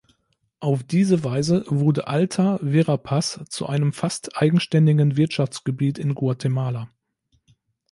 Auf diese Weise wurde Alta Verapaz zu einem fast eigenständigen Wirtschaftsgebiet in Guatemala.